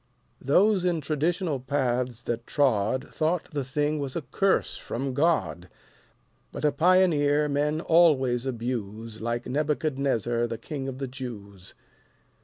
Those in traditional paths that trod Thought the thing was a curse from God, But a Pioneer men always abuse Like Nebuchadnezzar the King of the Jews.